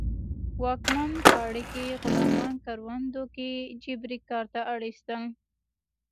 واکمن پاړکي غلامان کروندو کې جبري کار ته اړ اېستل